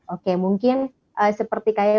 oke mungkin seperti kayak